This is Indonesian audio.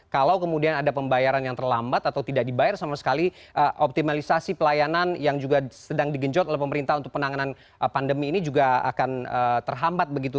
kalau kemudian ada pembayaran yang terlambat atau tidak dibayar sama sekali optimalisasi pelayanan yang juga sedang digenjot oleh pemerintah untuk penanganan pandemi ini juga akan terhambat begitu